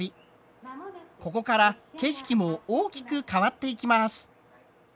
ここから景色も大きく変わっていきます。